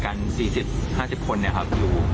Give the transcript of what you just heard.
ก็เห็นภูมิชายชะกัญ๔๐๕๐คน